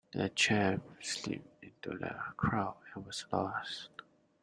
The chap slipped into the crowd and was lost.